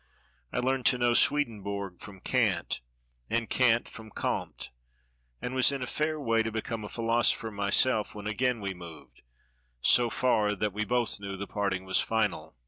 I learned to know Swedenborg from Kant, and Kant from Comte, and was in a fair way to become a philosopher myself when again we moved so far that we both knew the parting was final.